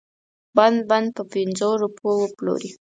بند بند په پنځو روپو وپلوري.